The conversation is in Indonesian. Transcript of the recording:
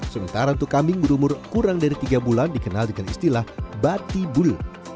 sementara untuk kambing berumur kurang dari tiga bulan dikenal dengan istilah batibulu